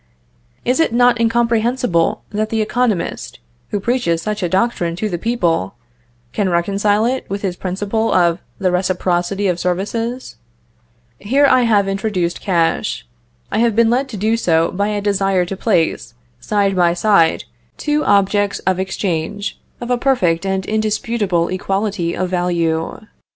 Is it not incomprehensible that the economist, who preaches such a doctrine to the people, can reconcile it with his principle of the reciprocity of services? Here I have introduced cash; I have been led to do so by a desire to place, side by side, two objects of exchange, of a perfect and indisputable equality of value.